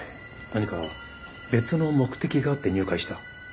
何か別の目的があって入会した？